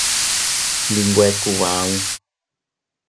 Ndi nwe kub auu.